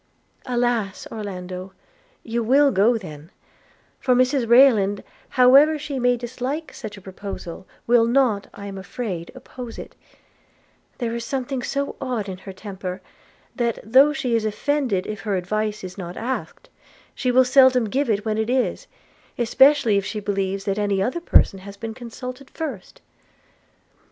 'Alas! Orlando, you will go then: for Mrs Rayland, however she may dislike such a proposal, will not, I am afraid, oppose it: there is something so odd in her temper, that, though she is offended if her advice is not asked, she will seldom give it when it is, especially if she believes any other person has been consulted first.'